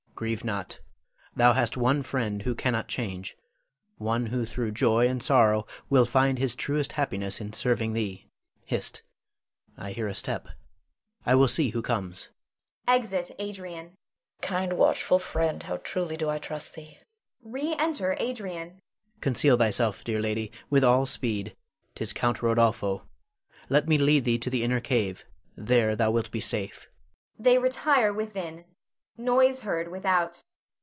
Grieve not; thou hast one friend who cannot change, one who through joy and sorrow will find his truest happiness in serving thee. Hist! I hear a step: I will see who comes. [Exit Adrian. Leonore. Kind, watchful friend, how truly do I trust thee! [Re enter Adrian. Adrian. Conceal thyself, dear lady, with all speed. 'Tis Count Rodolpho. Let me lead thee to the inner cave, there thou wilt be safe. [_They retire within; noise heard without.